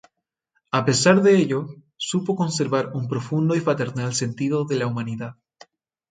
A pesar de ello supo conservar un profundo y fraternal sentido de la humanidad.